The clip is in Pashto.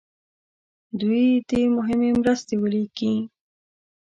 دوی دې مهمې مرستې ولیکي.